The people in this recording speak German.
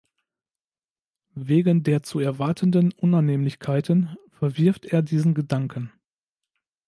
Wegen der zu erwartenden Unannehmlichkeiten verwirft er diesen Gedanken.